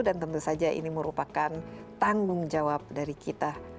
dan tentu saja ini merupakan tanggung jawab dari kita